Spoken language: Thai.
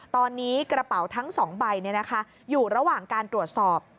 ตอนนี้กระเป๋าทั้ง๒ใบอยู่ระหว่างการตรวจสอบ